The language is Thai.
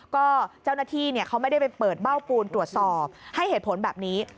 ก็เจ้าหน้าที่เขาไม่ได้ไปเปิดเบ้าปูนตรวจสอบให้เหตุผลแบบนี้